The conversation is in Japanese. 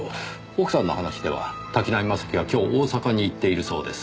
奥さんの話では滝浪正輝は今日大阪に行っているそうです。